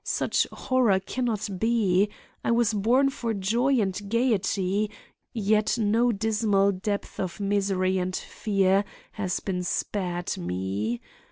Such horror can not be. I was born for joy and gaiety; yet no dismal depth of misery and fear has been spared me!